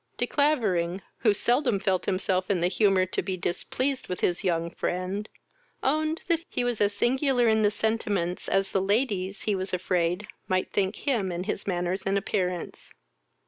De Clavering, who seldom felt himself in the humour to be displeased with his young friend, owned that he was as singular in his sentiments as the ladies, he was afraid, might think him in his manners and appearance.